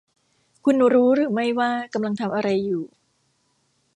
คุณรู้หรือไม่ว่ากำลังทำอะไรอยู่